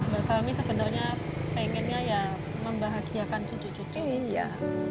buat sarmi sebenarnya pengennya ya